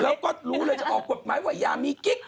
เราก็รู้เลยจะเอากฎหมายว่ายามีกิ๊ก